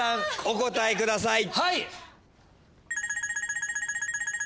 お答えください。